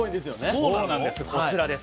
そうなんです。